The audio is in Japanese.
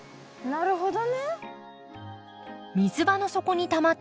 なるほど。